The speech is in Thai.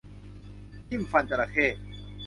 จิ้มฟันจระเข้